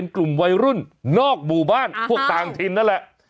กลุ่มวัยรุ่นนอกหมู่บ้านพวกต่างถิ่นนั่นแหละ